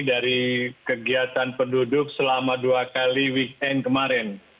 dari kegiatan penduduk selama dua kali weekend kemarin